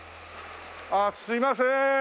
あっすいませーん。